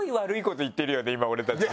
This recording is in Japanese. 今俺たちね。